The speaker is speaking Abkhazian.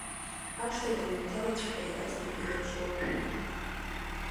Ашҭа данынҭалаҵәҟьа иаразнак илаԥш лықәшәеит.